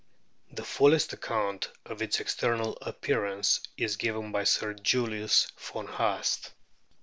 The fullest account of its external appearance is given by Sir Julius von Haast.